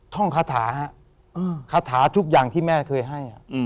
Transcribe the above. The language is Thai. ท่องคาถาฮะคาถาทุกอย่างที่แม่เคยให้